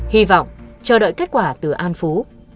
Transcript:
hy vọng chờ đợi kết quả từ an phú